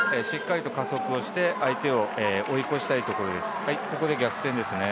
しっかり加速をして、相手を追い越したいところです。